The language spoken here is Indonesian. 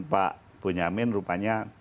pak bunyamin rupanya